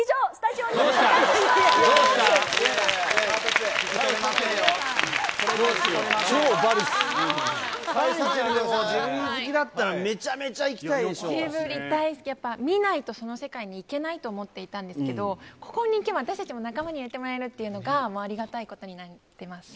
ジブリ大好き、やっぱ見ないとその世界に行けないと思っていたんですけど、ここに行けば、私たちも仲間に入れてもらえるっていうのが、ありがたいことになってます。